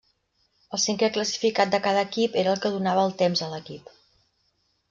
El cinquè classificat de cada equip era el que donava el temps a l'equip.